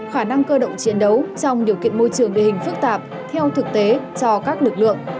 khả năng cơ động chiến đấu trong điều kiện môi trường địa hình phức tạp theo thực tế cho các lực lượng